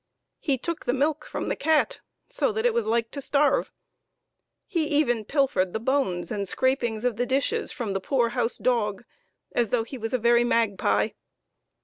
He took the milk from the cat, so that it was like to starve ; he even pilfered the bones and scrapings of the dishes from the poor house dog, as though he was a very magpie.